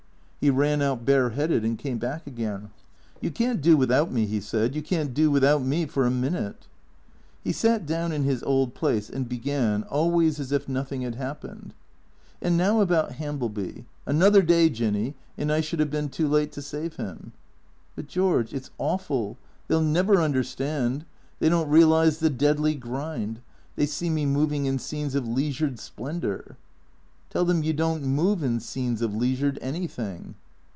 He ran out bareheaded and came back again. " You can't do without me," he said, " you can't do without me for a minute." He sat down in his old place, and began, always as if nothing had happened. " And now about Hambleby. Another day, Jinny, and I should have been too late to save him." " But, George, it 's awful. They '11 never understand. They don't realize the deadly grind. They see me moving in scenes of leisured splendour." " Tell them you don't move in scenes of leisured anything."